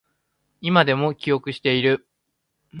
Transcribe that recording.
今でも記憶している